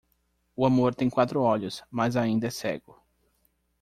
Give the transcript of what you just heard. O amor tem quatro olhos, mas ainda é cego.